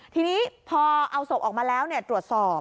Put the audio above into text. ทีนี้พอเอาศพออกมาแล้วตรวจสอบ